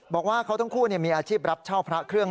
บอกว่าเขาทั้งคู่มีอาชีพรับเช่าพระเครื่อง